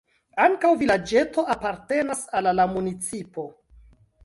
Ankaŭ vilaĝeto apartenas al la municipo.